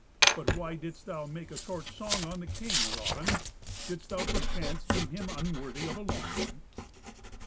But why didst thou make a short song on the king, Raven? Didst thou perchance deem him unworthy of a long one?"